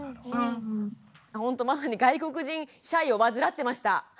ほんとまさに外国人シャイをわずらってました。